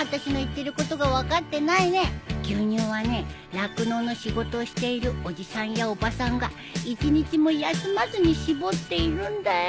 酪農の仕事をしているおじさんやおばさんが一日も休まずに搾っているんだよ。